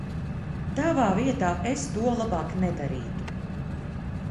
Tavā vietā es to labāk nedarītu...